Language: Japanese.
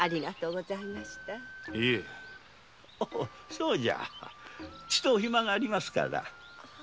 そうじゃちとお暇がありますかな？